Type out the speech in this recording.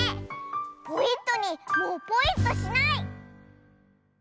ポイットニーもうポイっとしない！